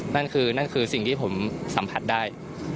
นั่นคือนั่นคือสิ่งที่ผมสัมผัสได้